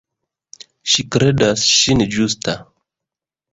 Ŝi kredas sin ĝusta.